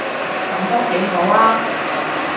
噉都幾好吖